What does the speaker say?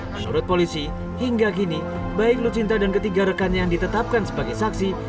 menurut polisi hingga kini baik lucinta dan ketiga rekannya yang ditetapkan sebagai saksi